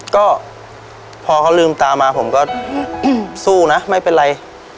ก็พอเขาลืมตามาผมก็สู้นะไม่เป็นไร